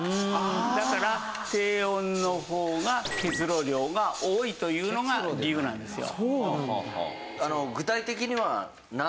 だから低温の方が結露量が多いというのが理由なんですよ。